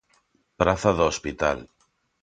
Praza do Hospital.